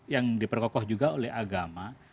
yang diperkokoh juga oleh agama